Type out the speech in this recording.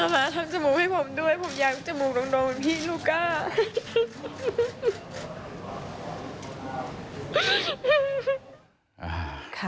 มาทำจมูกให้ผมด้วยผมอยากจมูกโดนเหมือนพี่ลูกก้า